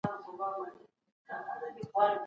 ریښتینی مشر د خپل ملت خادم وي.